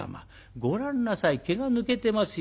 ご覧なさい毛が抜けてますよ。